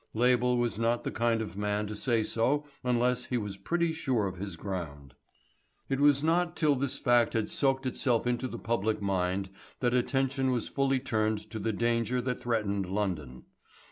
Label was not the kind of man to say so unless he was pretty sure of his ground. It was not till this fact had soaked itself into the public mind that attention was fully turned to the danger that threatened London.